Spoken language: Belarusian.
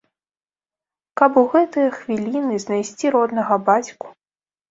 Каб у гэтыя хвіліны знайсці роднага бацьку!